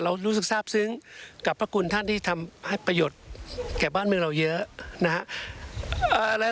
รู้สึกทราบซึ้งกับพระคุณท่านที่ทำให้ประโยชน์แก่บ้านเมืองเราเยอะนะฮะ